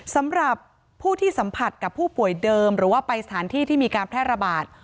สำหรับผู้ที่สัมผัสกับผู้ป่วยเดิมหรือว่าไปสถานที่ที่มีการแพร่ระบาด